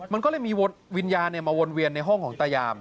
มันก็เลยมีวิญญาณมาวนเวียนในห้องของตายาม